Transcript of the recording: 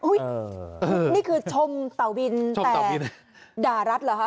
นี่คือชมเต่าบินแต่ด่ารัฐเหรอคะ